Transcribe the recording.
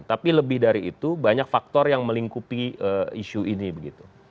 tapi lebih dari itu banyak faktor yang melingkupi isu ini begitu